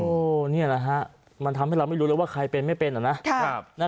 นี่แหละฮะมันทำให้เราไม่รู้เลยว่าใครเป็นไม่เป็นอ่ะนะ